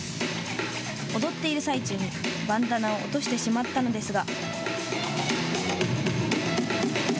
踊っている最中にバンダナを落としてしまったのですが。